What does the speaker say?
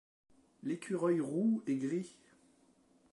L'écureuil roux et gris